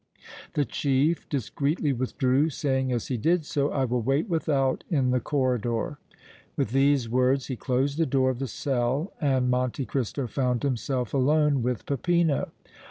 The chief discreetly withdrew, saying as he did so: "I will wait without, in the corridor." With these words he closed the door of the cell and Monte Cristo found himself alone with Peppino.